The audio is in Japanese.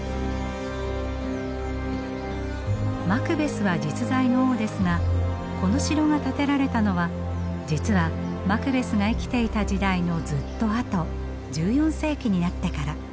マクベスは実在の王ですがこの城が建てられたのは実はマクベスが生きていた時代のずっとあと１４世紀になってから。